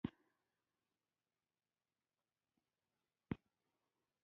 کرنه د هیواد د پرمختګ لپاره مهمه ده.